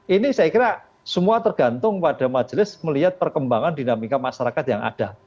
ini saya kira semua tergantung pada majelis melihat perkembangan dinamika masyarakat yang ada